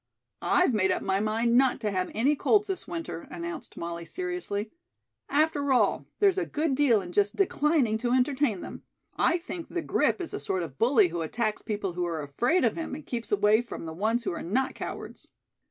"I've made up my mind not to have any colds this winter," announced Molly seriously. "After all, there's a good deal in just declining to entertain them. I think the grip is a sort of bully who attacks people who are afraid of him and keeps away from the ones who are not cowards."